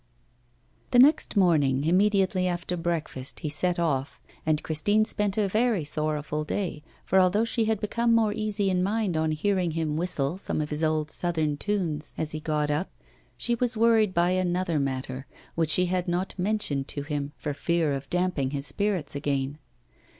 The next morning, immediately after breakfast, he set off, and Christine spent a very sorrowful day, for although she had become more easy in mind on hearing him whistle some of his old southern tunes as he got up, she was worried by another matter, which she had not mentioned to him for fear of damping his spirits again.